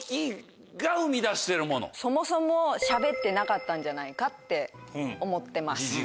そもそもしゃべってなかったんじゃないかって思ってます。